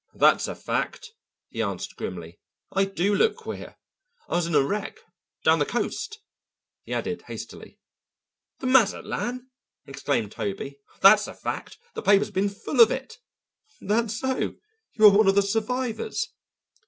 "That's a fact," he answered grimly. "I do look queer. I was in a wreck down the coast," he added hastily. "The Mazatlan!" exclaimed Toby. "That's a fact; the papers have been full of it. That's so, you were one of the survivors."